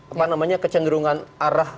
apa namanya kecenderungan arah